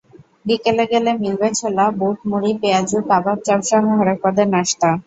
বিকেলে গেলে মিলবে ছোলা, বুট, মুড়ি পেঁয়াজু, কাবাব, চপসহ হরেক পদের নাশতা।